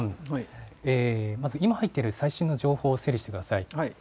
今入っている最新の情報を整理してください。